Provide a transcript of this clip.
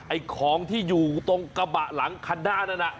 ไอ้ของที่อยู่ตรงกระบะหลังคันหน้านั้นน่ะ